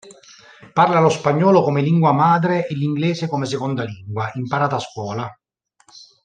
Parla lo spagnolo come lingua madre e l'inglese come seconda lingua, imparata a scuola.